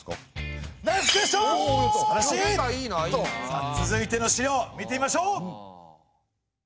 さあ続いての資料見てみましょう！